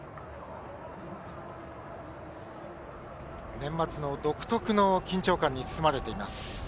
年末の独特の緊張感に包まれています。